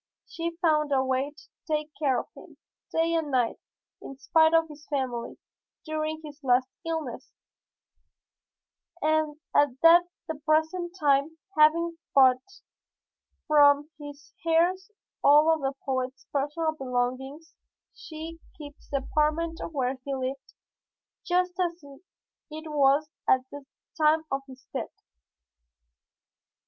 She found a way to take care of him, day and night, in spite of his family, during his last illness, and at the present time, having bought from his heirs all of the poet's personal belongings, she keeps the apartment where he lived just as it was at the time of his death.